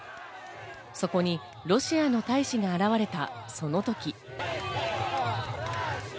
そこにロシアの大使が現れたその時。